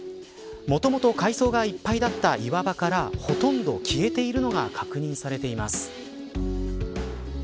もともと海藻がいっぱいだった岩場からほとんど消えているのが確認されています。